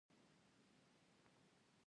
آیا او نور به هم ښه نشي؟